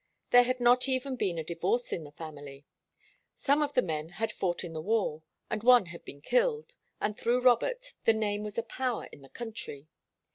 There had not even been a divorce in the family. Some of the men had fought in the war, and one had been killed, and, through Robert, the name was a power in the country.